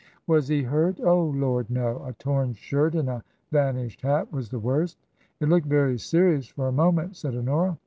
" Was he hurt ?"" Oh Lord, no ! A torn shirt and a vanished hat was the worst.'* " It looked very serious for a moment," said Honora.